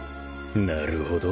なるほど